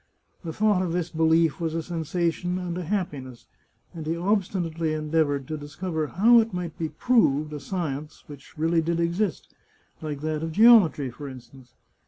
The thought of this belief was a sensation and a happiness, and he obstinately endeavoured to discover how it might be proved a. science which really did exist, like that of geometry, for instance.